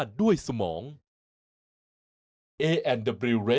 สวัสดีค่ะ